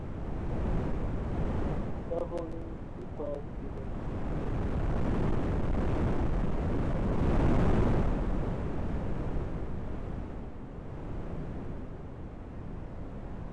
Traveling requires students to be independent, responsible, and adaptable.